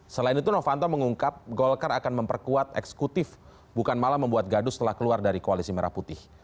selain itu novanto mengungkap golkar akan memperkuat eksekutif bukan malah membuat gaduh setelah keluar dari koalisi merah putih